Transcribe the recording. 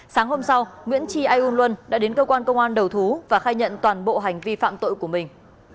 sáng hôm sau nguyễn tri au luân đã đến cơ quan công an đầu thú và khai nhận toàn bộ hành vi phạm tội của mình